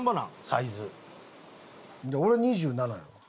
俺２７よ。